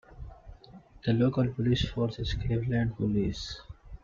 The local police force is Cleveland Police.